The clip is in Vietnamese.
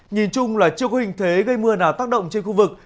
nhìn chung là chưa có hình thế gây mưa nào tác động trên khu vực